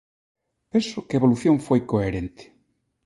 Penso que a evolución foi coherente.